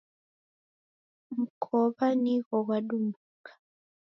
Mkowa nigho ghwadumbuka